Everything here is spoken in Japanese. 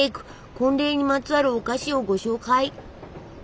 婚礼にまつわるお菓子をご紹介！